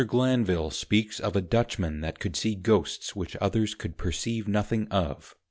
Glanvil speaks of a Dutchman that could see Ghosts which others could perceive nothing of.